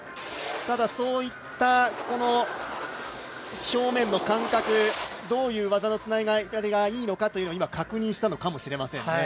ただ、そういう表面の感覚どういう技のつながりがいいのか今、確認したのかもしれません。